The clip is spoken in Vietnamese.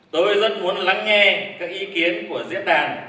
tôi rất muốn lắng nghe các ý kiến của diễn đàn